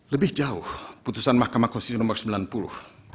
lebih jauh putusan mahkamah konstitusi nomor sembilan puluh